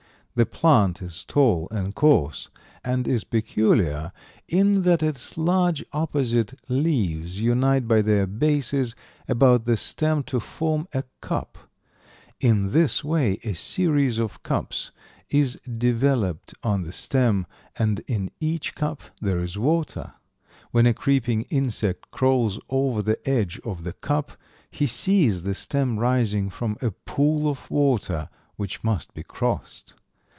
The plant is tall and coarse, and is peculiar in that its large opposite leaves unite by their bases about the stem to form a cup. In this way a series of cups is developed on the stem, and in each cup there is water. When a creeping insect crawls over the edge of the cup he sees the stem rising from a pool of water which must be crossed.